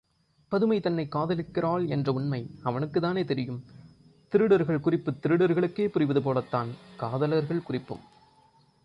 பதுமை தன்னைக் காதலிக்கிறாள் என்ற உண்மை அவனக்குத்தானே தெரியும் திருடர்கள் குறிப்புத் திருடர்களுக்கே புரிவது போலத்தான், காதலர்கள் குறிப்பும்.